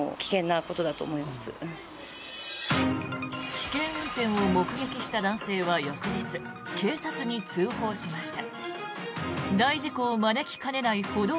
危険運転を目撃した男性は翌日、警察に通報しました。